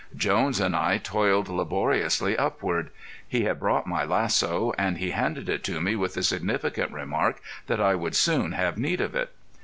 Jones and I toiled laboriously upward. He had brought my lasso, and he handed it to me with the significant remark that I would soon have need of it.